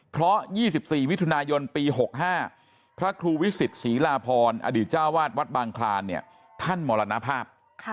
เพราะ๒๔มิถุนายนปี๖๕พระครูวิสิตศรีลาพรอดีตเจ้าวาดวัดบางคลานเนี่ยท่านมรณภาพ